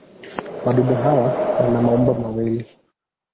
Wadudu hawa wana maumbo mawili.